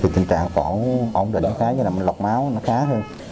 thì tình trạng còn ổn định khá như là mình lọc máu nó khá hơn